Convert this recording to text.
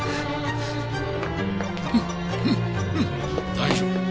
大丈夫。